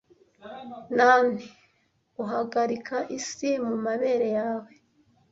nanny uhagarika isi mumabere yawe